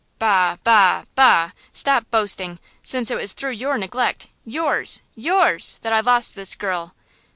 "Bah! bah! bah! Stop boasting, since it was through your neglect–yours! yours! that I lost this girl!"